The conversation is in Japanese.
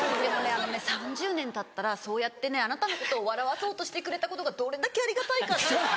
あのね３０年たったらそうやってねあなたのことを笑わそうとしてくれたことがどれだけありがたいかって。